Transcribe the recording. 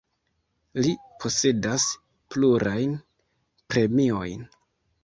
Li posedas plurajn premiojn.